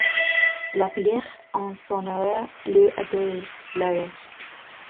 La pierre en son horreur l’eût adoré. La roche